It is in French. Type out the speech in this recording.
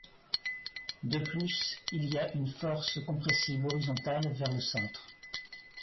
De plus il y a une force compressive horizontale vers le centre.